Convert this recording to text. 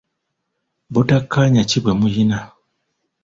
Butakkaanya ki bwe muyina?